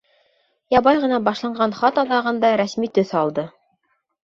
Ябай ғына башланған хат аҙағында рәсми төҫ алды.